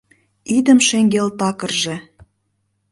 Идым шеҥгел такырже -